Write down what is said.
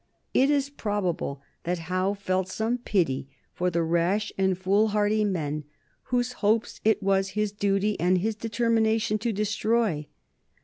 It is probable that Howe felt some pity for the rash and foolhardy men whose hopes it was his duty and his determination to destroy.